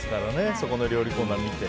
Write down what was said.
そこの料理コーナー見て。